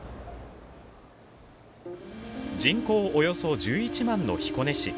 人口およそ１１万の彦根市。